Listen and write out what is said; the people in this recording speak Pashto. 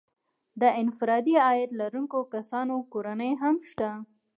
د انفرادي عاید لرونکو کسانو کورنۍ هم شته